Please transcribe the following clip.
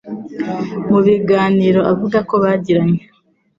mu biganiro avuga ko bagiranye.